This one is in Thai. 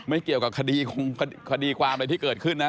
ไม่เกี่ยวกับคดีความอะไรที่เกิดขึ้นนะ